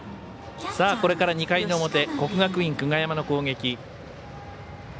これから２回の表国学院久我山の攻撃。